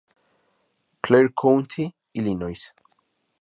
Clair County, Illinois.